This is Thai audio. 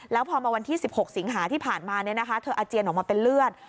แล้วพอมาวันที่๑๖สิงหาที่ผ่านมาเธออาเจียนออกมาเป็นเลือด